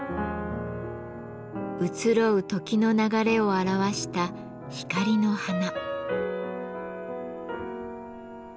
移ろう時の流れを表した光の花。